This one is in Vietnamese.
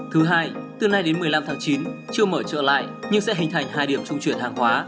thứ hai từ nay đến một mươi năm tháng chín chưa mở trở lại nhưng sẽ hình thành hai điểm trung chuyển hàng hóa